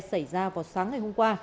xảy ra vào sáng ngày hôm qua